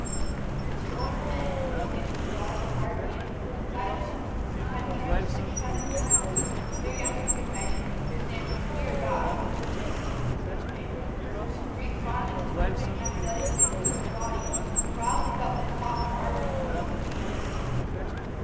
The two older men, whose names were Paul the Tarsian and Silas, had trudged six hundred miles. Their younger companion, whose name was "Fear God," or Timothy as we say, with his Greek fondness for perfect athletic fitness of the body, proudly felt the taut, wiry muscles working under his skin.